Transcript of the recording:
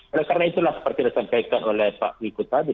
oleh karena itulah seperti disampaikan oleh pak wikud tadi